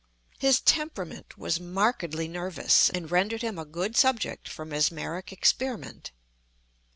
His temperament was markedly nervous, and rendered him a good subject for mesmeric experiment.